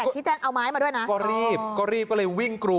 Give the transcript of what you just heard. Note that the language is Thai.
ชี้แจงเอาไม้มาด้วยนะ